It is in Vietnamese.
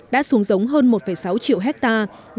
đã xuống giống hơn một sáu triệu hectare